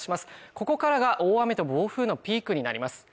ここからが大雨と暴風のピークになります